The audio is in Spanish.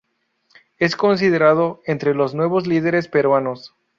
Es considerado entre los nuevos líderes peruanos.